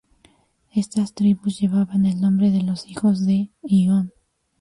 Estas tribus llevaban el nombre de los hijos de Ion.